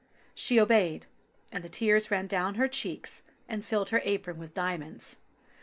She obeyed, and the tears ran down her cheeks, and filled her apron with diamonds.